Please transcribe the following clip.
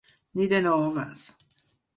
Ni de noves!